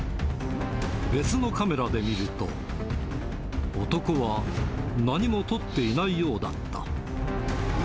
別のカメラで見ると、男は何もとっていないようだった。